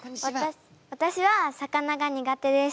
わたしは魚が苦手です。